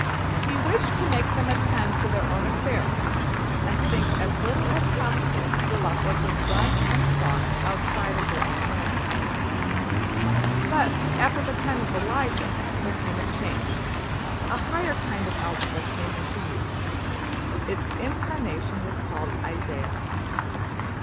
He wished to make them attend to their own affairs, and think as little as possible about what was done and thought outside of their own land. But, after the time of Elijah, there came a change. A higher kind of algebra came into use. Its incarnation was called Isaiah.